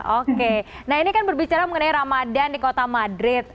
oke nah ini kan berbicara mengenai ramadan di kota madrid